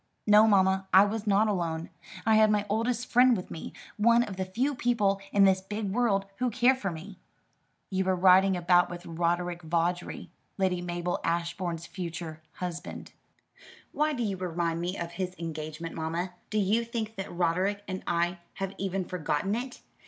"No, mamma, I was not alone. I had my oldest friend with me; one of the few people in this big world who care for me." "You were riding about with Roderick Vawdrey, Lady Mabel Ashbourne's future husband." "Why do you remind me of his engagement, mamma? Do you think that Roderick and I have even forgotten it?